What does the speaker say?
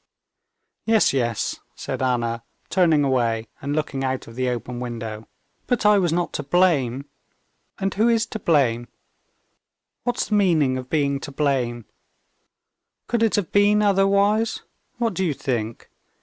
"Yes, yes," said Anna, turning away and looking out of the open window. "But I was not to blame. And who is to blame? What's the meaning of being to blame? Could it have been otherwise? What do you think?